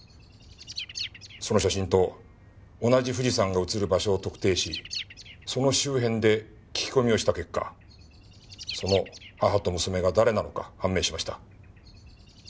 その写真と同じ富士山が写る場所を特定しその周辺で聞き込みをした結果その母と娘が誰なのか判明しました。